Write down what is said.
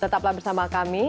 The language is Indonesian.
tetaplah bersama kami